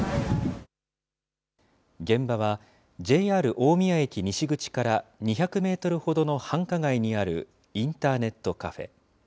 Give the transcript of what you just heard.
現場は、ＪＲ大宮駅西口から２００メートルほどの繁華街にあるインターネットカフェ。